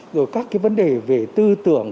rồi các cái vấn đề về tư tưởng